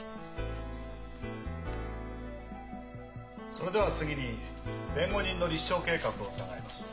それでは次に弁護人の立証計画を伺います。